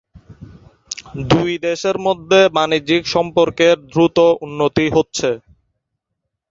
দুই দেশের মধ্যে বাণিজ্যিক সম্পর্কের দ্রুত উন্নতি হচ্ছে।